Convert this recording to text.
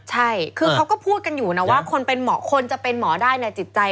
ใช่คือเขาก็พูดกันอยู่นะว่าคนเป็นหมอคนจะเป็นหมอได้ในจิตใจ